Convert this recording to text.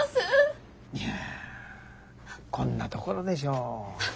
いやこんなところでしょう。